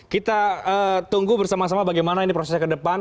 kita tunggu bersama sama bagaimana ini prosesnya kedepan